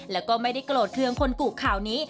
แล้วก็ไม่ได้โกรธเครื่องคนกุข่าวนี้